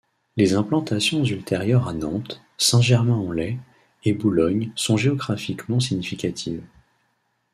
Les implantations ultérieures à Nantes, Saint-Germain-en-Laye et Boulogne sont géographiquement significatives.